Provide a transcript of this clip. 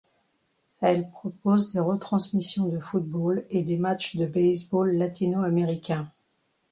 Elle propose des retransmissions de football et des matchs de baseball latino-américains.